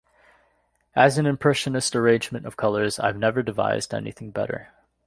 As an impressionist arrangement of colours, I've never devised anything better.